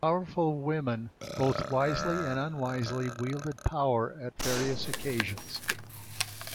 Powerful women both wisely and unwisely wielded power at various occasions.